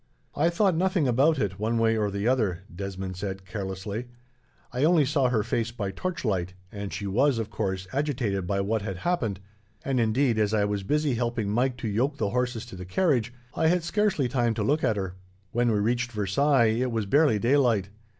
"I thought nothing about it, one way or the other," Desmond said, carelessly. "I only saw her face by torchlight, and she was, of course, agitated by what had happened; and indeed, as I was busy helping Mike to yoke the horses to the carriage, I had scarcely time to look at her. When we reached Versailles it was barely daylight.